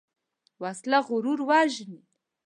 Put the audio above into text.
وسله غرور وژني